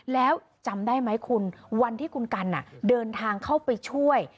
แล้วจำได้ไหมคุณวันที่คุณกันเดินทางเข้าไปช่วย